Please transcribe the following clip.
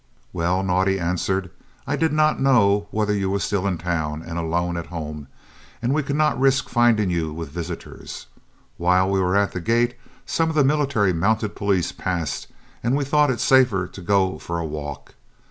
"Well," Naudé answered, "I did not know whether you were still in town and alone at home, and we could not risk finding you with visitors. While we were at the gate some of the Military Mounted Police passed and we thought it safer to go for a walk.